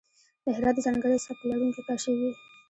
د هرات د ځانګړی سبک لرونکی کاشي وې.